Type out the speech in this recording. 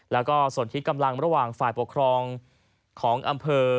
แล้วก็ส่วนที่กำลังระหว่างฝ่ายปกครองของอำเภอ